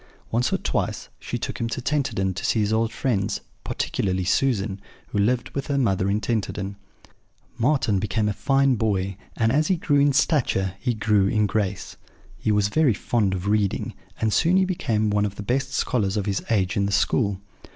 Once or twice she took him to Tenterden to see his old friends, particularly Susan, who lived with her mother in Tenterden. "Marten became a fine boy; and as he grew in stature he grew in grace. He was very fond of reading; and soon he became one of the best scholars of his age in the school.